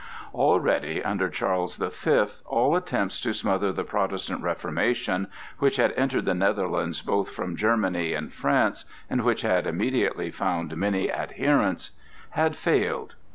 Already, under Charles the Fifth, all attempts to smother the Protestant Reformation—which had entered the Netherlands both from Germany and France and which had immediately found many adherents—had failed.